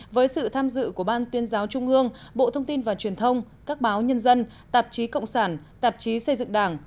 với sự tham dự của ban tuyên giáo trung ương bộ thông tin và truyền thông các báo nhân dân tạp chí cộng sản tạp chí xây dựng đảng